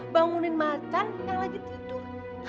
bangunin macan tak lagi tidur